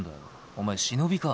お前忍びか？